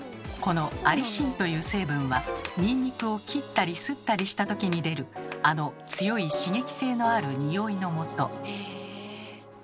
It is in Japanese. このアリシンという成分はニンニクを切ったりすったりしたときに出るあの強い刺激性のあるニオイのもと。